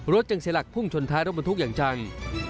จึงเสียหลักพุ่งชนท้ายรถบรรทุกอย่างจัง